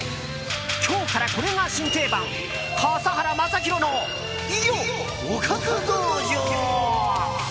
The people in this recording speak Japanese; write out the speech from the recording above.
今日からこれが新定番笠原将弘のおかず道場。